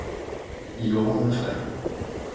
Il aura un frère.